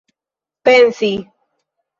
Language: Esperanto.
pensi